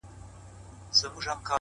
او په خمارو ماښامونو کي به ځان ووينم _